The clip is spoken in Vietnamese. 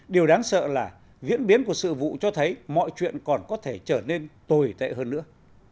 điều đáng sợ là diễn biến của sự vụ cho thấy mọi chuyện còn có thể trở nên tồi tệ hơn nữa